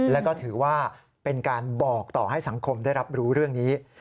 แล้วก็ถือว่าเป็นการบอกต่อให้สังคมได้รับรู้เรื่องนี้